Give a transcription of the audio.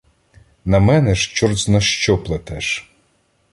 На мене ж чортзна-що плетеш.